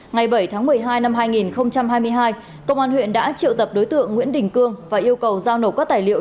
ngày bảy tháng một mươi hai năm hai nghìn hai mươi hai công an huyện đã triệu tập đối tượng nguyễn đình cương và yêu cầu giao nộp các tài liệu